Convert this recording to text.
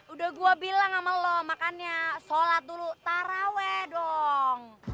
udah gua bilang sama lo makanya sholat dulu tarawee dong